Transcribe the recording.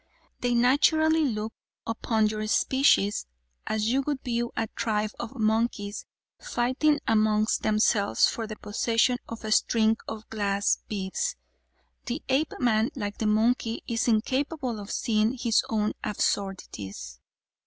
They naturally looked upon your species as you would view a tribe of monkeys fighting amongst themselves for the possession of a string of glass beads. The Apeman like the monkey is incapable of seeing his own absurdities."